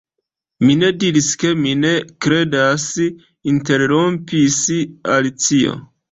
"Mi ne diris ke mi ne kredas," interrompis Alicio.